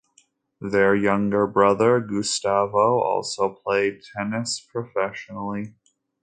Their younger brother Gustavo also played tennis professionally.